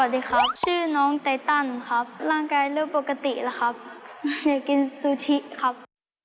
สวัสดีครับชื่อน้องไตตันครับร่างกายเริ่มปกติแล้วครับอยากกินซูชิครับ